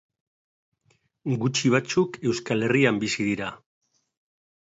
Gutxi batzuk Euskal Herrian bizi dira.